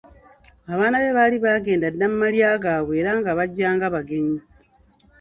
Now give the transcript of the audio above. Abaana be baali baagenda dda mu malya gaabwe era nga bajja nga bagenyi.